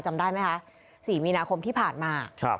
จำได้ไหมคะ๔มีนาคมที่ผ่านมา